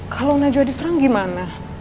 kalau najwa diserang gimana